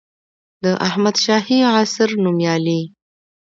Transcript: د احمدشاهي عصر نوميالي